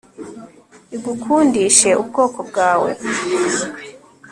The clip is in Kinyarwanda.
igukundishe ubwoko bwawe